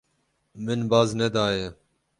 Min baz nedaye.